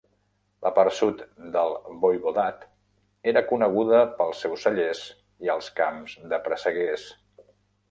La part sud del Voivodat era coneguda pels seus cellers i els camps de presseguers.